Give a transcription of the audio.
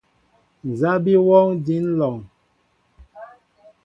Nza bi wɔɔŋ, din lɔŋ ?